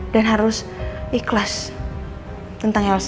dan harus ikhlas tentang elsa